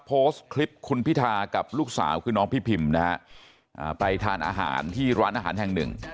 โพสต์คลิปคุณพิธากับลูกสาวคือน้องพี่พิมนะฮะไปทานอาหารที่ร้านอาหารแห่งหนึ่ง